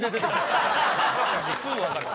すぐわかる。